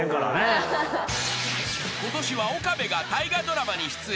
［ことしは岡部が大河ドラマに出演］